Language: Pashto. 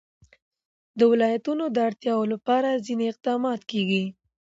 د ولایتونو د اړتیاوو لپاره ځینې اقدامات کېږي.